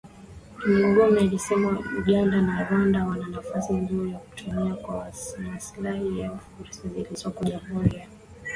Mugume alisema Uganda na Rwanda wana nafasi nzuri ya kutumia kwa maslahi yao fursa zilizoko Jamhuri ya Kidemokrasia ya Kongo.